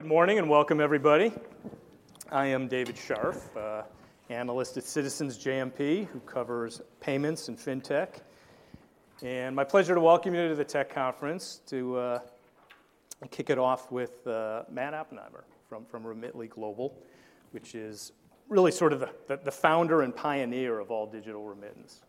Good morning and welcome, everybody. I am David Scharf, analyst at Citizens JMP, who covers payments and fintech. My pleasure to welcome you to the tech conference, to kick it off with Matt Oppenheimer from Remitly Global, which is really sort of the founder and pioneer of all digital remittance.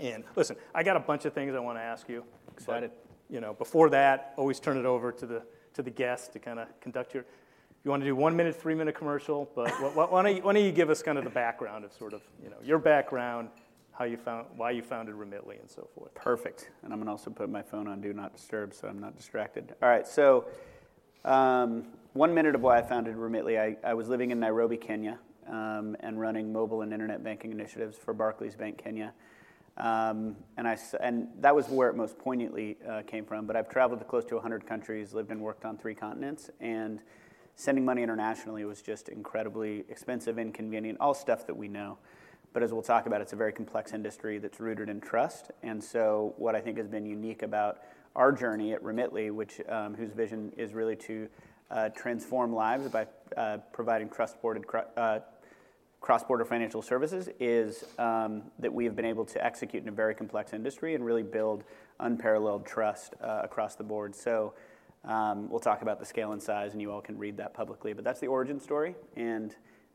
And listen, I got a bunch of things I want to ask you. Excited. Before that, always turn it over to the guest to kind of conduct your if you want to do one-minute, three-minute commercial, but why don't you give us kind of the background of sort of your background, why you founded Remitly, and so forth. Perfect. I'm going to also put my phone on Do Not Disturb so I'm not distracted. All right, so one minute of why I founded Remitly. I was living in Nairobi, Kenya, and running mobile and internet banking initiatives for Barclays Bank Kenya. That was where it most poignantly came from. But I've traveled to close to 100 countries, lived and worked on three continents. Sending money internationally was just incredibly expensive and inconvenient, all stuff that we know. But as we'll talk about, it's a very complex industry that's rooted in trust. So what I think has been unique about our journey at Remitly, whose vision is really to transform lives by providing cross-border financial services, is that we have been able to execute in a very complex industry and really build unparalleled trust across the board. We'll talk about the scale and size, and you all can read that publicly. That's the origin story.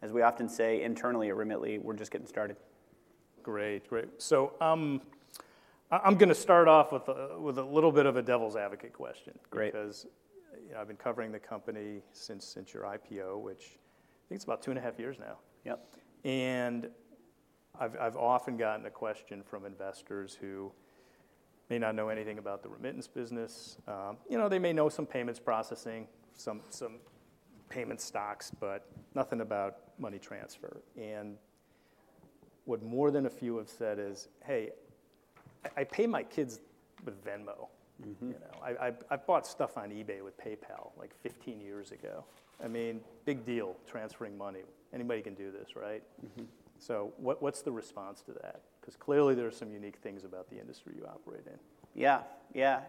As we often say internally at Remitly, we're just getting started. Great, great. So I'm going to start off with a little bit of a devil's advocate question because I've been covering the company since your IPO, which I think it's about 2.5 years now. I've often gotten a question from investors who may not know anything about the remittance business. They may know some payments processing, some payment stocks, but nothing about money transfer. And what more than a few have said is, "Hey, I pay my kids with Venmo. I bought stuff on eBay with PayPal like 15 years ago." I mean, big deal, transferring money. Anybody can do this, right? So what's the response to that? Because clearly there are some unique things about the industry you operate in. Yeah, yeah,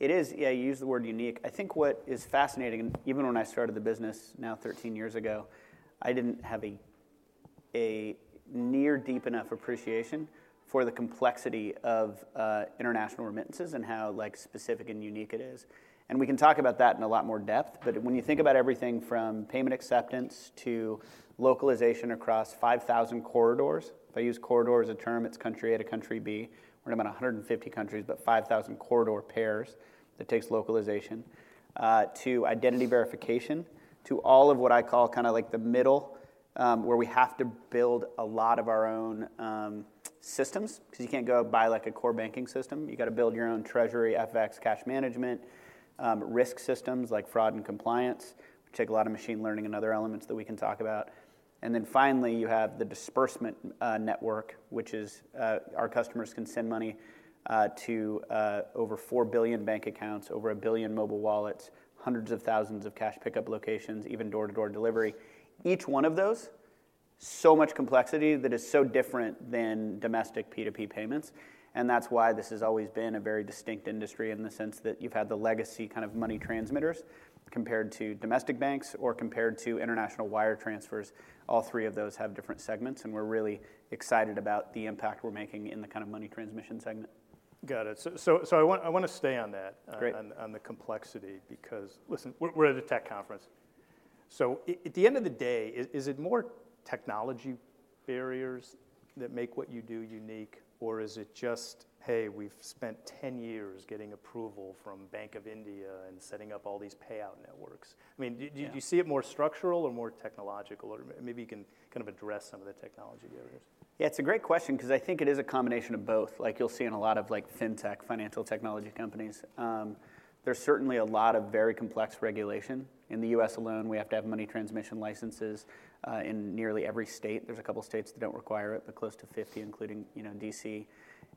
it is. Yeah, you used the word unique. I think what is fascinating, even when I started the business now 13 years ago, I didn't have a near deep enough appreciation for the complexity of international remittances and how specific and unique it is. And we can talk about that in a lot more depth. But when you think about everything from payment acceptance to localization across 5,000 corridors, if I use corridor as a term, it's country A to country B. We're talking about 150 countries, but 5,000 corridor pairs that takes localization to identity verification, to all of what I call kind of like the middle where we have to build a lot of our own systems because you can't go buy like a core banking system. You got to build your own treasury, FX, cash management, risk systems like fraud and compliance, which take a lot of machine learning and other elements that we can talk about. And then finally, you have the disbursement network, which is our customers can send money to over 4 billion bank accounts, over 1 billion mobile wallets, hundreds of thousands of cash pickup locations, even door-to-door delivery. Each one of those, so much complexity that is so different than domestic P2P payments. And that's why this has always been a very distinct industry in the sense that you've had the legacy kind of money transmitters compared to domestic banks or compared to international wire transfers. All three of those have different segments. And we're really excited about the impact we're making in the kind of money transmission segment. Got it. So I want to stay on that, on the complexity because listen, we're at a tech conference. So at the end of the day, is it more technology barriers that make what you do unique, or is it just, "Hey, we've spent 10 years getting approval from Bank of India and setting up all these payout networks"? I mean, do you see it more structural or more technological? Or maybe you can kind of address some of the technology barriers. Yeah, it's a great question because I think it is a combination of both. Like you'll see in a lot of fintech, financial technology companies, there's certainly a lot of very complex regulation. In the U.S. alone, we have to have money transmission licenses in nearly every state. There's a couple of states that don't require it, but close to 50, including D.C.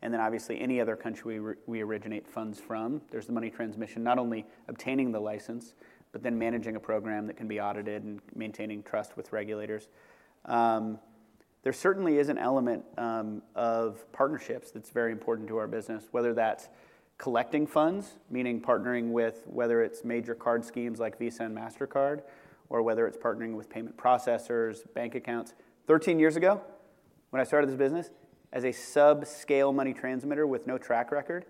And then obviously, any other country we originate funds from, there's the money transmission, not only obtaining the license, but then managing a program that can be audited and maintaining trust with regulators. There certainly is an element of partnerships that's very important to our business, whether that's collecting funds, meaning partnering with whether it's major card schemes like Visa and Mastercard, or whether it's partnering with payment processors, bank accounts. 13 years ago, when I started this business, as a subscale money transmitter with no track record,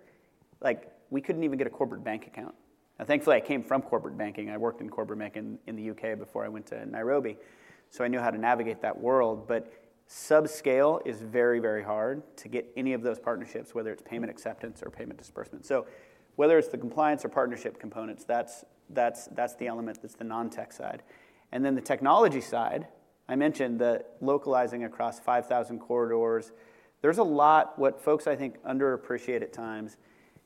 we couldn't even get a corporate bank account. Now, thankfully, I came from corporate banking. I worked in corporate banking in the U.K. before I went to Nairobi. So I knew how to navigate that world. But subscale is very, very hard to get any of those partnerships, whether it's payment acceptance or payment disbursement. So whether it's the compliance or partnership components, that's the element that's the non-tech side. And then the technology side, I mentioned the localizing across 5,000 corridors. There's a lot what folks, I think, underappreciate at times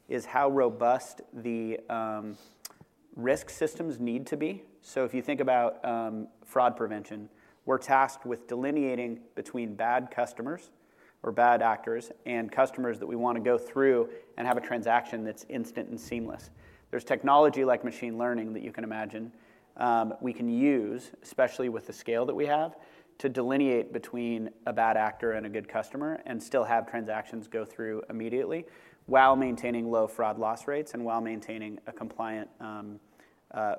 is how robust the risk systems need to be. So if you think about fraud prevention, we're tasked with delineating between bad customers or bad actors and customers that we want to go through and have a transaction that's instant and seamless. There's technology like machine learning that you can imagine we can use, especially with the scale that we have, to delineate between a bad actor and a good customer and still have transactions go through immediately while maintaining low fraud loss rates and while maintaining a compliant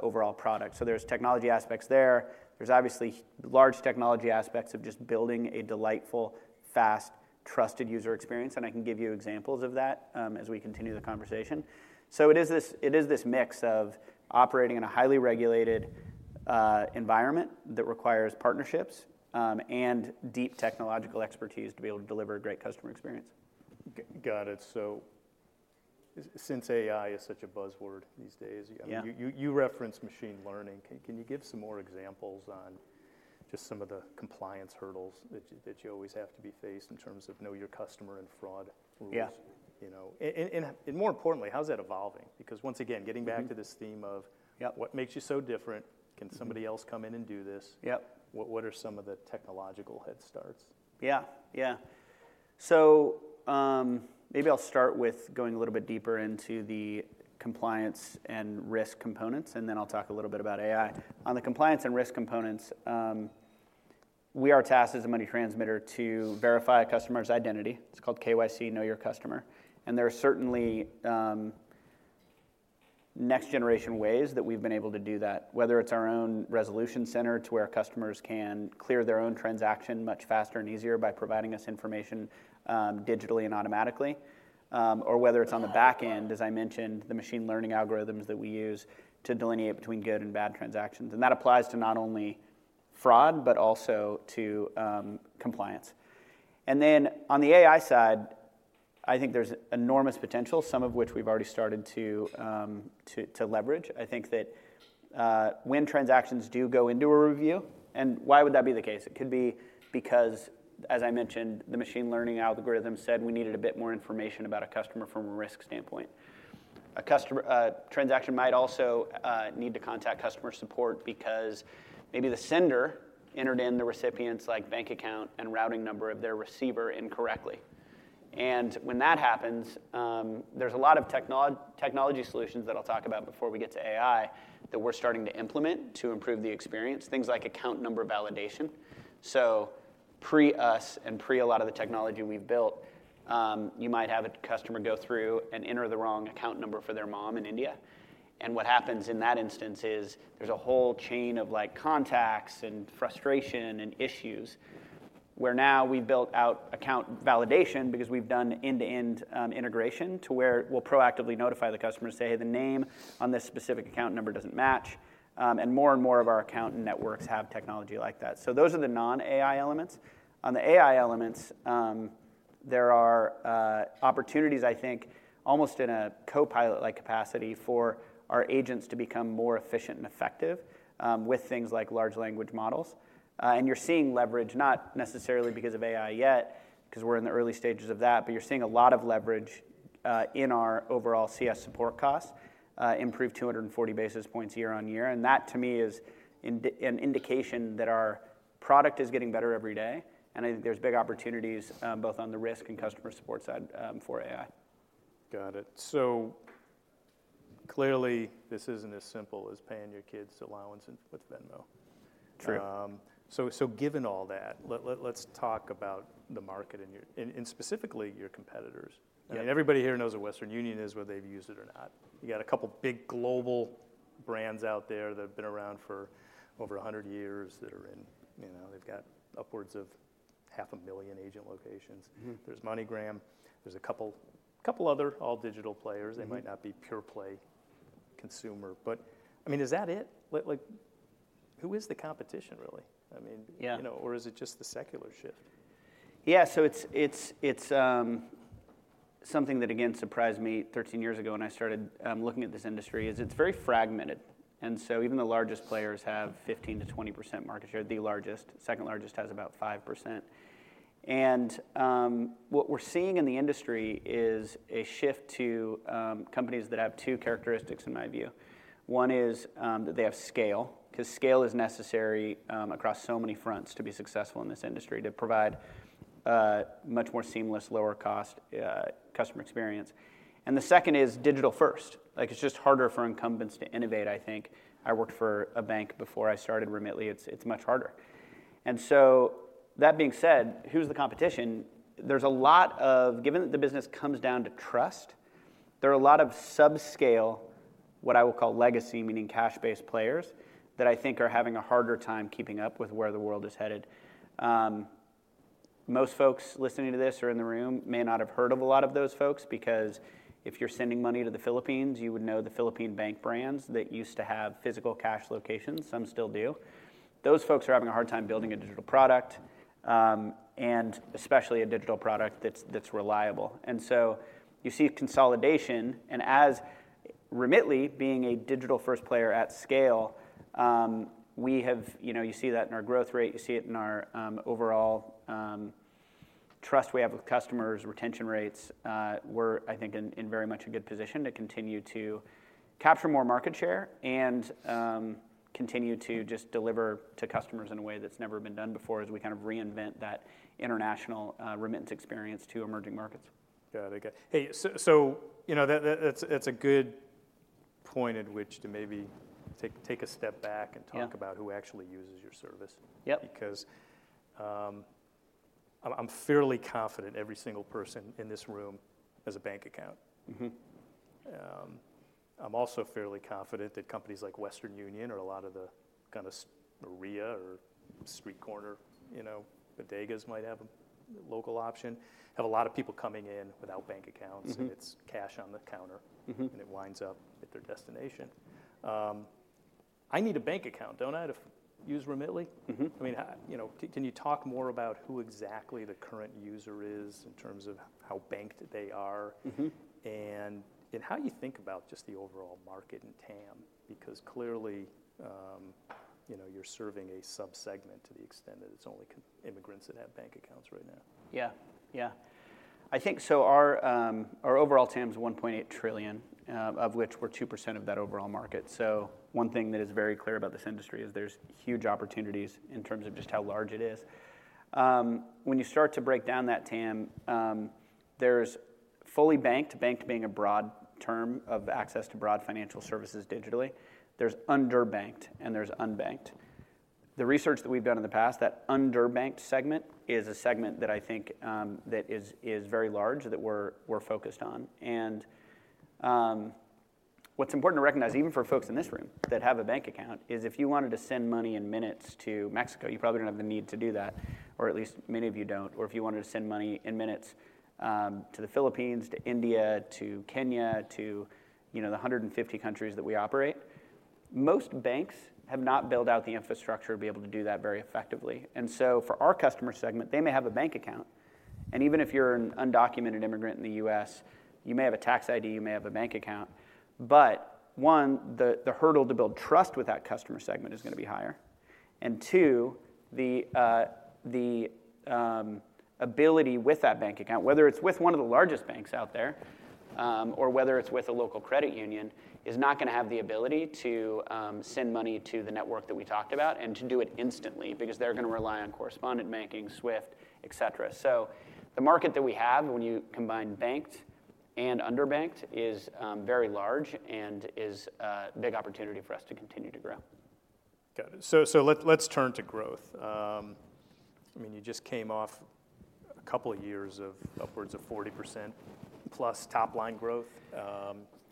overall product. So there's technology aspects there. There's obviously large technology aspects of just building a delightful, fast, trusted user experience. And I can give you examples of that as we continue the conversation. So it is this mix of operating in a highly regulated environment that requires partnerships and deep technological expertise to be able to deliver a great customer experience. Got it. So since AI is such a buzzword these days, you referenced Machine Learning. Can you give some more examples on just some of the compliance hurdles that you always have to be faced in terms of Know Your Customer and fraud rules? And more importantly, how's that evolving? Because once again, getting back to this theme of what makes you so different, can somebody else come in and do this? What are some of the technological head starts? Yeah, yeah. So maybe I'll start with going a little bit deeper into the compliance and risk components, and then I'll talk a little bit about AI. On the compliance and risk components, we are tasked as a money transmitter to verify a customer's identity. It's called KYC, Know Your Customer. And there are certainly next-generation ways that we've been able to do that, whether it's our own resolution center to where customers can clear their own transaction much faster and easier by providing us information digitally and automatically, or whether it's on the back end, as I mentioned, the machine learning algorithms that we use to delineate between good and bad transactions. And that applies to not only fraud, but also to compliance. And then on the AI side, I think there's enormous potential, some of which we've already started to leverage. I think that when transactions do go into a review, and why would that be the case? It could be because, as I mentioned, the Machine Learning algorithm said we needed a bit more information about a customer from a risk standpoint. A transaction might also need to contact customer support because maybe the sender entered in the recipient's bank account and routing number of their receiver incorrectly. And when that happens, there's a lot of technology solutions that I'll talk about before we get to AI that we're starting to implement to improve the experience, things like account number validation. So pre-us and pre a lot of the technology we've built, you might have a customer go through and enter the wrong account number for their mom in India. And what happens in that instance is there's a whole chain of contacts and frustration and issues where now we've built out account validation because we've done end-to-end integration to where we'll proactively notify the customer and say, "Hey, the name on this specific account number doesn't match." And more and more of our account networks have technology like that. So those are the non-AI elements. On the AI elements, there are opportunities, I think, almost in a co-pilot-like capacity for our agents to become more efficient and effective with things like large language models. And you're seeing leverage, not necessarily because of AI yet because we're in the early stages of that, but you're seeing a lot of leverage in our overall CS support costs improve 240 basis points year-over-year. And that, to me, is an indication that our product is getting better every day. I think there's big opportunities both on the risk and customer support side for AI. Got it. So clearly, this isn't as simple as paying your kids' allowance with Venmo. So given all that, let's talk about the market and specifically your competitors. I mean, everybody here knows what Western Union is, whether they've used it or not. You got a couple of big global brands out there that have been around for over 100 years that are in. They've got upwards of 500,000 agent locations. There's MoneyGram. There's a couple other all-digital players. They might not be pure-play consumer. But I mean, is that it? Who is the competition, really? I mean, or is it just the secular shift? Yeah, so it's something that, again, surprised me 13 years ago when I started looking at this industry is it's very fragmented. And so even the largest players have 15%-20% market share. The largest, second largest, has about 5%. And what we're seeing in the industry is a shift to companies that have two characteristics, in my view. One is that they have scale because scale is necessary across so many fronts to be successful in this industry, to provide much more seamless, lower-cost customer experience. And the second is digital first. It's just harder for incumbents to innovate, I think. I worked for a bank before I started Remitly. It's much harder. And so that being said, who's the competition? There's a lot of, given that the business comes down to trust, there are a lot of subscale, what I will call legacy, meaning cash-based players that I think are having a harder time keeping up with where the world is headed. Most folks listening to this or in the room may not have heard of a lot of those folks because if you're sending money to the Philippines, you would know the Philippine bank brands that used to have physical cash locations. Some still do. Those folks are having a hard time building a digital product, and especially a digital product that's reliable. So you see consolidation. As Remitly, being a digital-first player at scale, we have you see that in our growth rate. You see it in our overall trust we have with customers, retention rates. We're, I think, in very much a good position to continue to capture more market share and continue to just deliver to customers in a way that's never been done before as we kind of reinvent that international remittance experience to emerging markets. Got it. Hey, so that's a good point at which to maybe take a step back and talk about who actually uses your service because I'm fairly confident every single person in this room has a bank account. I'm also fairly confident that companies like Western Union or a lot of the kind of MoneyGram or street corner bodegas might have a local option, have a lot of people coming in without bank accounts, and it's cash on the counter, and it winds up at their destination. I need a bank account, don't I, to use Remitly? I mean, can you talk more about who exactly the current user is in terms of how banked they are and how you think about just the overall market and TAM? Because clearly, you're serving a subsegment to the extent that it's only immigrants that have bank accounts right now. Yeah, yeah. I think so. Our overall TAM is $1.8 trillion, of which we're 2% of that overall market. So one thing that is very clear about this industry is there's huge opportunities in terms of just how large it is. When you start to break down that TAM, there's fully banked, banked being a broad term of access to broad financial services digitally. There's underbanked, and there's unbanked. The research that we've done in the past, that underbanked segment is a segment that I think that is very large that we're focused on. And what's important to recognize, even for folks in this room that have a bank account, is if you wanted to send money in minutes to Mexico, you probably don't have the need to do that, or at least many of you don't. Or if you wanted to send money in minutes to the Philippines, to India, to Kenya, to the 150 countries that we operate, most banks have not built out the infrastructure to be able to do that very effectively. And so for our customer segment, they may have a bank account. And even if you're an undocumented immigrant in the U.S., you may have a tax ID. You may have a bank account. But one, the hurdle to build trust with that customer segment is going to be higher. And two, the ability with that bank account, whether it's with one of the largest banks out there or whether it's with a local credit union, is not going to have the ability to send money to the network that we talked about and to do it instantly because they're going to rely on correspondent banking, SWIFT, et cetera. The market that we have, when you combine banked and underbanked, is very large and is a big opportunity for us to continue to grow. Got it. So let's turn to growth. I mean, you just came off a couple of years of upwards of 40% plus top-line growth.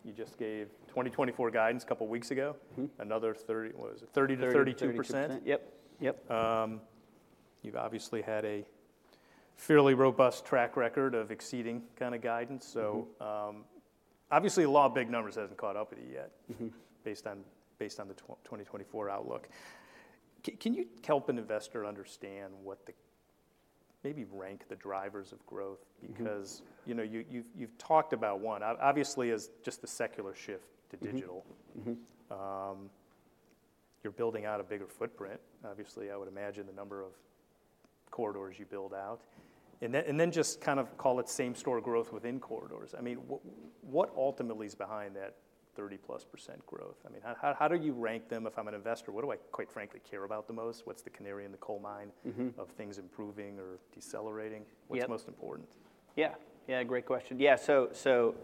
You just gave 2024 guidance a couple of weeks ago, another 30, what was it, 30%-32%? 30%-32%. Yep, yep. You've obviously had a fairly robust track record of exceeding kind of guidance. So obviously, a lot of big numbers haven't caught up with you yet based on the 2024 outlook. Can you help an investor understand what the maybe rank the drivers of growth? Because you've talked about one, obviously, is just the secular shift to digital. You're building out a bigger footprint. Obviously, I would imagine the number of corridors you build out. And then just kind of call it same-store growth within corridors. I mean, what ultimately is behind that 30%+ growth? I mean, how do you rank them? If I'm an investor, what do I, quite frankly, care about the most? What's the canary in the coal mine of things improving or decelerating? What's most important? Yeah, yeah, great question. Yeah, so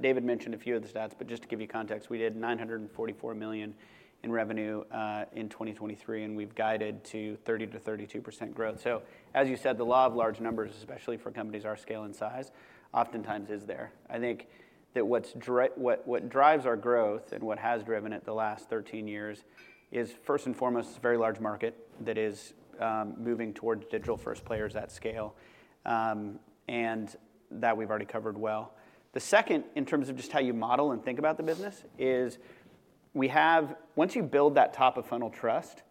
David mentioned a few of the stats, but just to give you context, we did $944 million in revenue in 2023, and we've guided to 30%-32% growth. So as you said, the law of large numbers, especially for companies our scale and size, oftentimes is there. I think that what drives our growth and what has driven it the last 13 years is, first and foremost, it's a very large market that is moving towards digital-first players at scale, and that we've already covered well. The second, in terms of just how you model and think about the business, is we have, once you build that top-of-funnel trust,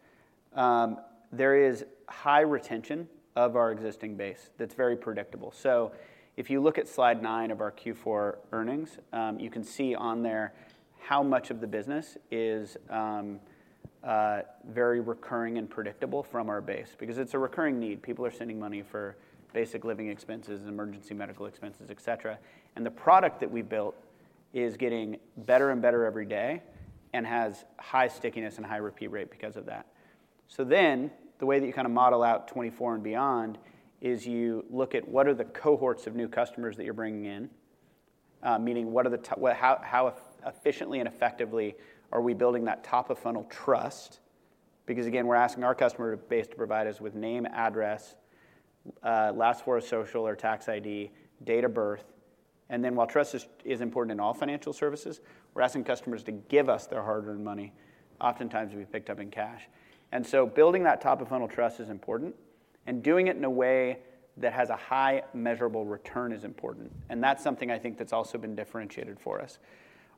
there is high retention of our existing base that's very predictable. So if you look at slide 9 of our Q4 earnings, you can see on there how much of the business is very recurring and predictable from our base because it's a recurring need. People are sending money for basic living expenses, emergency medical expenses, et cetera. And the product that we've built is getting better and better every day and has high stickiness and high repeat rate because of that. So then the way that you kind of model out 2024 and beyond is you look at what are the cohorts of new customers that you're bringing in, meaning how efficiently and effectively are we building that top-of-funnel trust? Because again, we're asking our customer base to provide us with name, address, last four of social or tax ID, date of birth. And then while trust is important in all financial services, we're asking customers to give us their hard-earned money, oftentimes we've picked up in cash. And so building that top-of-funnel trust is important, and doing it in a way that has a high measurable return is important. And that's something I think that's also been differentiated for us.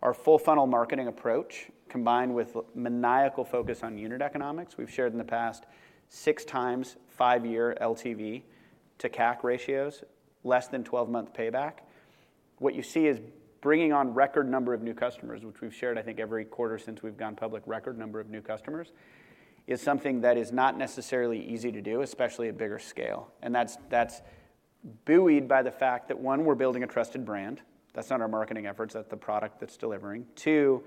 Our full-funnel marketing approach, combined with maniacal focus on unit economics, we've shared in the past 6x five-year LTV to CAC ratios, less than 12-month payback. What you see is bringing on record number of new customers, which we've shared, I think, every quarter since we've gone public. Record number of new customers is something that is not necessarily easy to do, especially at bigger scale. And that's buoyed by the fact that, one, we're building a trusted brand. That's not our marketing efforts. That's the product that's delivering. Two,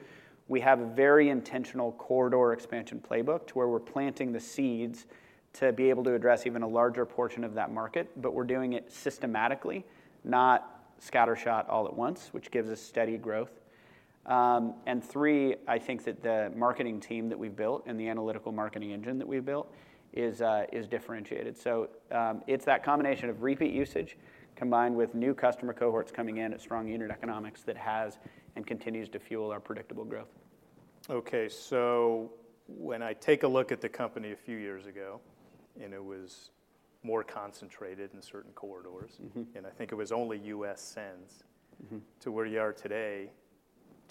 we have a very intentional corridor expansion playbook to where we're planting the seeds to be able to address even a larger portion of that market, but we're doing it systematically, not scattershot all at once, which gives us steady growth. Three, I think that the marketing team that we've built and the analytical marketing engine that we've built is differentiated. It's that combination of repeat usage combined with new customer cohorts coming in at strong unit economics that has and continues to fuel our predictable growth. Okay, so when I take a look at the company a few years ago, and it was more concentrated in certain corridors, and I think it was only U.S. sends to where you are today,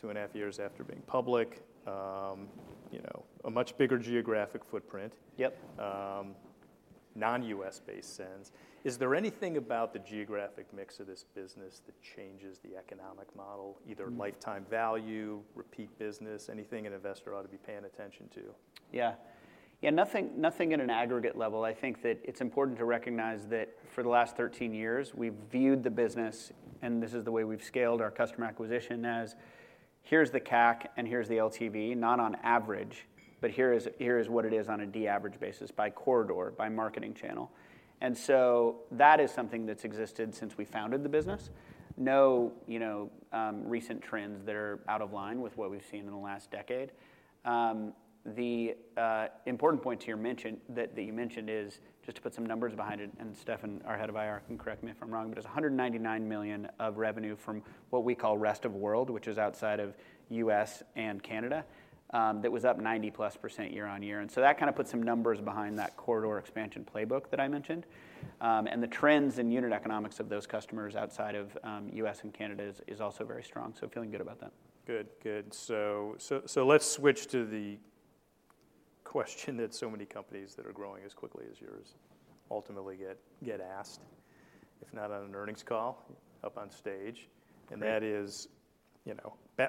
2.5 years after being public, a much bigger geographic footprint, non-U.S.-based sends, is there anything about the geographic mix of this business that changes the economic model, either lifetime value, repeat business, anything an investor ought to be paying attention to? Yeah, yeah, nothing at an aggregate level. I think that it's important to recognize that for the last 13 years, we've viewed the business, and this is the way we've scaled our customer acquisition, as here's the CAC and here's the LTV, not on average, but here is what it is on a de-averaged basis by corridor, by marketing channel. And so that is something that's existed since we founded the business. No recent trends that are out of line with what we've seen in the last decade. The important point that you mentioned is just to put some numbers behind it, and Stephen, our head of IR, can correct me if I'm wrong, but it's $199 million of revenue from what we call rest of world, which is outside of U.S. and Canada, that was up 90%+ year-over-year. And so that kind of puts some numbers behind that corridor expansion playbook that I mentioned. And the trends in unit economics of those customers outside of U.S. and Canada is also very strong. So feeling good about that. Good, good. So let's switch to the question that so many companies that are growing as quickly as yours ultimately get asked, if not on an earnings call up on stage. That is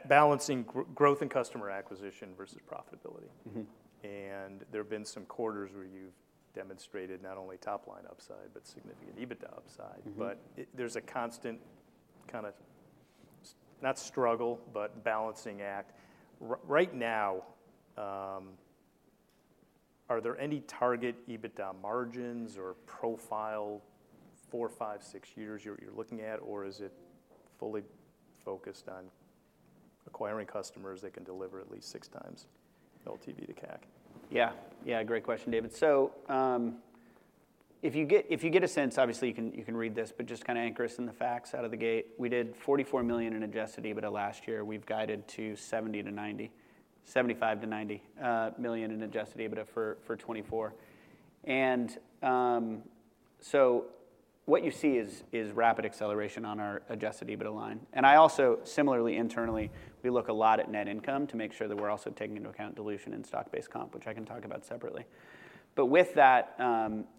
balancing growth and customer acquisition versus profitability. There have been some quarters where you've demonstrated not only top-line upside but significant EBITDA upside. There's a constant kind of not struggle, but balancing act. Right now, are there any target EBITDA margins or profile 4, 5, 6 years you're looking at, or is it fully focused on acquiring customers that can deliver at least 6x LTV to CAC? Yeah, yeah, great question, David. So if you get a sense, obviously, you can read this, but just kind of anchor us in the facts out of the gate. We did $44 million in adjusted EBITDA last year. We've guided to $70 million-$90 million, $75 million-$90 million in adjusted EBITDA for 2024. And so what you see is rapid acceleration on our adjusted EBITDA line. And I also, similarly, internally, we look a lot at net income to make sure that we're also taking into account dilution and stock-based comp, which I can talk about separately. But with that,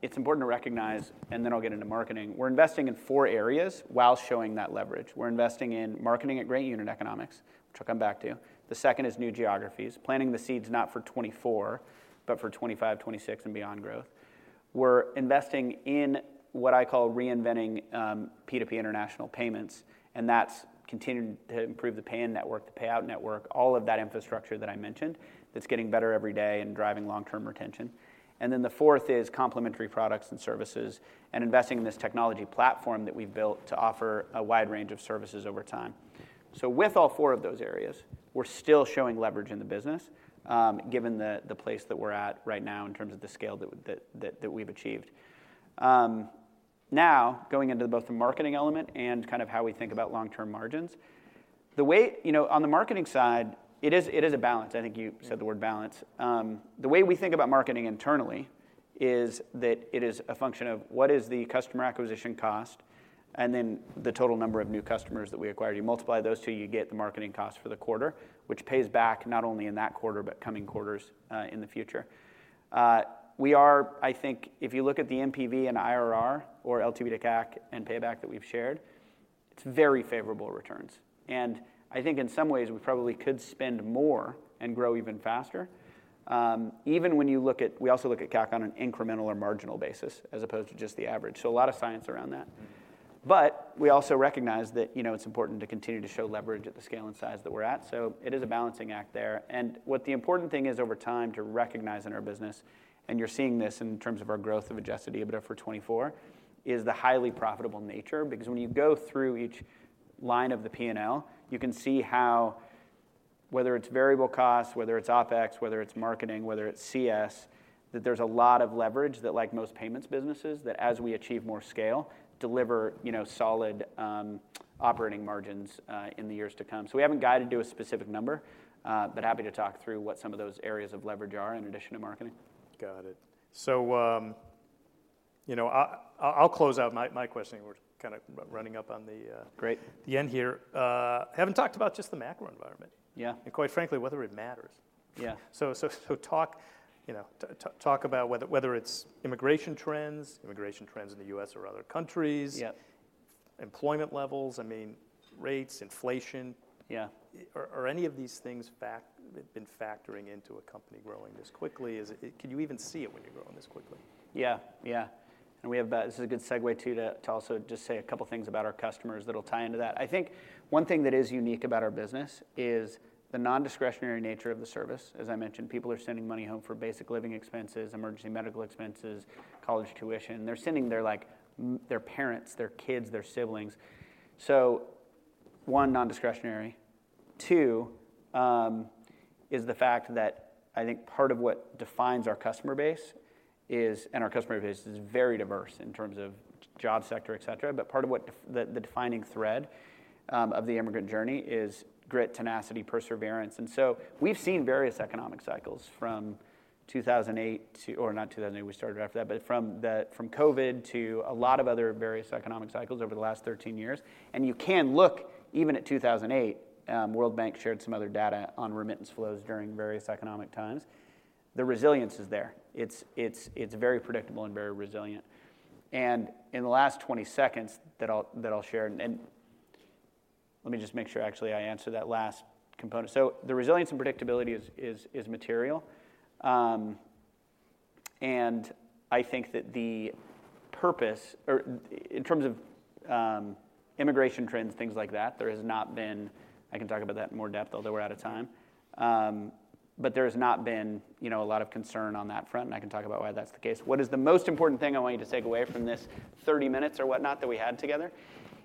it's important to recognize, and then I'll get into marketing, we're investing in four areas while showing that leverage. We're investing in marketing at great unit economics, which I'll come back to. The second is new geographies, planting the seeds not for 2024 but for 2025, 2026, and beyond growth. We're investing in what I call reinventing P2P international payments, and that's continuing to improve the pay-in network, the payout network, all of that infrastructure that I mentioned that's getting better every day and driving long-term retention. And then the fourth is complementary products and services and investing in this technology platform that we've built to offer a wide range of services over time. So with all four of those areas, we're still showing leverage in the business given the place that we're at right now in terms of the scale that we've achieved. Now, going into both the marketing element and kind of how we think about long-term margins, the way on the marketing side, it is a balance. I think you said the word balance. The way we think about marketing internally is that it is a function of what is the customer acquisition cost and then the total number of new customers that we acquired. You multiply those two, you get the marketing cost for the quarter, which pays back not only in that quarter but coming quarters in the future. We are, I think, if you look at the NPV and IRR or LTV to CAC and payback that we've shared. It's very favorable returns. I think in some ways, we probably could spend more and grow even faster. Even when you look at we also look at CAC on an incremental or marginal basis as opposed to just the average. So a lot of science around that. But we also recognize that it's important to continue to show leverage at the scale and size that we're at. So it is a balancing act there. And what the important thing is over time to recognize in our business, and you're seeing this in terms of our growth of Adjusted EBITDA for 2024, is the highly profitable nature because when you go through each line of the P&L, you can see how, whether it's variable costs, whether it's OPEX, whether it's marketing, whether it's CS, that there's a lot of leverage that, like most payments businesses, that as we achieve more scale, deliver solid operating margins in the years to come. So we haven't guided to a specific number, but happy to talk through what some of those areas of leverage are in addition to marketing. Got it. So I'll close out my questioning. We're kind of running up on the end here. Haven't talked about just the macro environment. Yeah, and quite frankly, whether it matters. Yeah, so talk about whether it's immigration trends, immigration trends in the U.S. or other countries, employment levels, I mean, rates, inflation, yeah, or any of these things have been factoring into a company growing this quickly? Can you even see it when you're growing this quickly? Yeah, yeah. This is a good segue too to also just say a couple of things about our customers that'll tie into that. I think one thing that is unique about our business is the nondiscretionary nature of the service. As I mentioned, people are sending money home for basic living expenses, emergency medical expenses, college tuition. They're sending their parents, their kids, their siblings. So one, nondiscretionary. Two, is the fact that I think part of what defines our customer base is, and our customer base is very diverse in terms of job sector, et cetera, but part of the defining thread of the immigrant journey is grit, tenacity, perseverance. And so we've seen various economic cycles from 2008 to, or not 2008, we started after that, but from COVID to a lot of other various economic cycles over the last 13 years. You can look even at 2008. World Bank shared some other data on remittance flows during various economic times. The resilience is there. It's very predictable and very resilient. In the last 20 seconds that I'll share, let me just make sure actually I answer that last component. So the resilience and predictability is material. I think that the purpose, or in terms of immigration trends, things like that, there has not been a lot of concern on that front, and I can talk about why that's the case. I can talk about that in more depth, although we're out of time. What is the most important thing I want you to take away from this 30 minutes or whatnot that we had together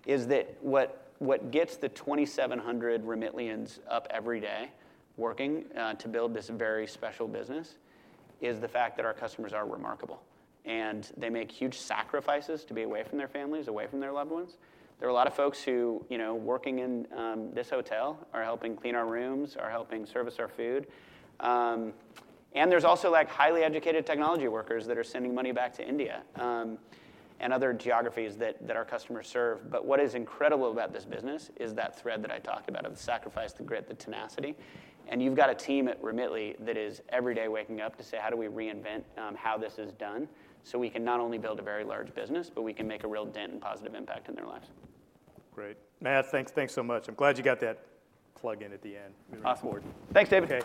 is that what gets the 2,700 Remitlians up every day working to build this very special business is the fact that our customers are remarkable, and they make huge sacrifices to be away from their families, away from their loved ones. There are a lot of folks who working in this hotel are helping clean our rooms, are helping service our food. And there's also highly educated technology workers that are sending money back to India and other geographies that our customers serve. But what is incredible about this business is that thread that I talked about of the sacrifice, the grit, the tenacity. You've got a team at Remitly that is every day waking up to say, "How do we reinvent how this is done so we can not only build a very large business, but we can make a real dent and positive impact in their lives? Great. Matt, thanks, thanks so much. I'm glad you got that plug-in at the end. Really important point. Awesome. Thanks, David.